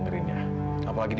amber dan casa udah sampai dah